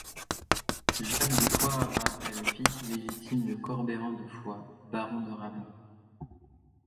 Jacques de Foix-Rabat est le fils illégitime de Corbeyran de Foix, baron de Rabat.